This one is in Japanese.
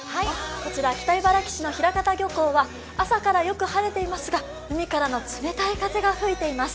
こちら北茨城市の平潟漁港は朝からよく晴れていますが海からの冷たい風が吹いています。